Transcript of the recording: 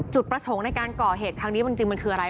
จุดประสงค์ในการก่อเหตุครั้งนี้จริงมันคืออะไร